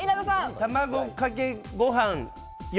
卵かけご飯４。